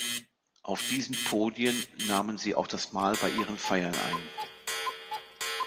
Auf diesen Podien nahmen sie auch das Mahl bei ihren Feiern ein.